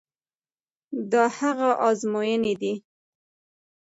د هغه ازموینې دي.